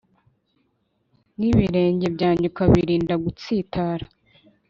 n'ibirenge byanjye ukabirinda gutsitara